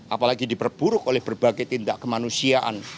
apalagi diperburuk oleh berbagai tindak kemanusiaan